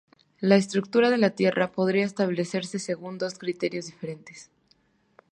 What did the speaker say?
La estructura de la tierra podría establecerse según dos criterios diferentes.